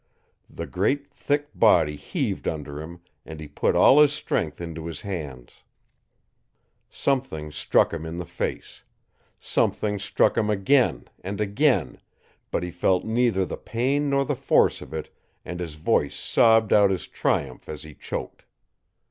The great thick body heaved under him, and he put all his strength into his hands. Something struck him in the face. Something struck him again and again, but he felt neither the pain nor the force of it, and his voice sobbed out his triumph as he choked.